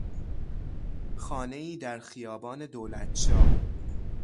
خانهای در خیابان دولتشاه